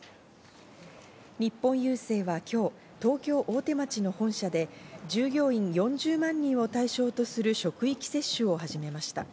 日本郵政は今日、東京・大手町の本社で従業員４０万人を対象とする職域接種を始めました。